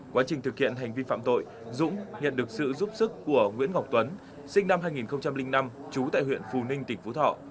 quá trình thực hiện hành vi phạm tội dũng nhận được sự giúp sức của nguyễn ngọc tuấn sinh năm hai nghìn năm trú tại huyện phù ninh tỉnh phú thọ